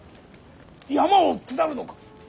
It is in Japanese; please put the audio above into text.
山を下るのか！